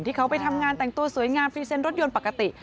ที่เขาไปทำงานแต่งตัวสวยงามพรีเซนต์รถยนต์ปกติ